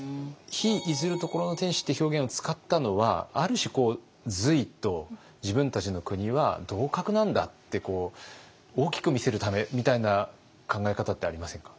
「日出ずる処の天子」って表現を使ったのはある種こう隋と自分たちの国は同格なんだって大きく見せるためみたいな考え方ってありませんか？